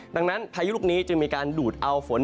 ดังนั้นพายุลูกนี้จึงมีการดูดเอาฝน